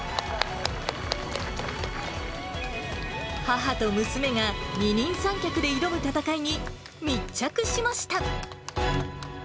母と娘が二人三脚で挑む戦いに密着しました。